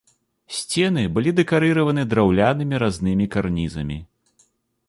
Сцены былі дэкарыраваны драўлянымі разнымі карнізамі.